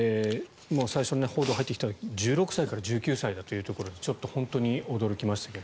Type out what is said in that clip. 最初に報道が入ってきた時１６歳から１９歳というところでちょっと本当に驚きましたが。